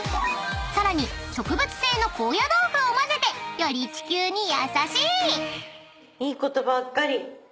［さらに植物性の高野豆腐を交ぜてより地球に優しい］いいことばっかり。